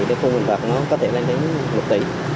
cái phương hình đoạt nó có thể lên đến một tỷ